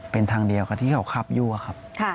เป็นทางเดียวกับที่เขาขับอยู่อะครับ